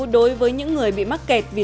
đối với những người bị mắc kẹt vì